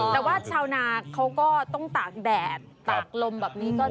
แต่ว่าชาวนาเขาก็ต้องตากแดดตากลมแบบนี้